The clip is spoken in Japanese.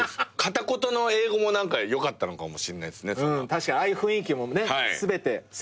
確かにああいう雰囲気もね全てセットで。